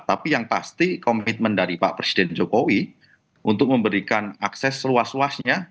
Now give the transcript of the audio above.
tapi yang pasti komitmen dari pak presiden jokowi untuk memberikan akses seluas luasnya